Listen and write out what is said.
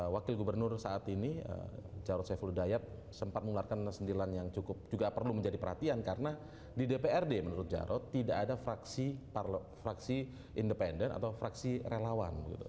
wakil gubernur saat ini jarod saiful dayak sempat mengeluarkan sendilan yang cukup juga perlu menjadi perhatian karena di dprd menurut jarod tidak ada fraksi independen atau fraksi relawan